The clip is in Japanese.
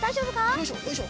よいしょよいしょ。